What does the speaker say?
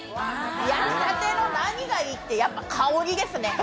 焼きたての何がいいって、やっぱり香りですね。